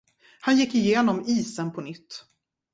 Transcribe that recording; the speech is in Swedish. Han gick igenom isen på nytt.